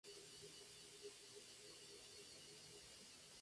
Así, resultó octavo en la tabla general y campeón de particulares por cuarta vez.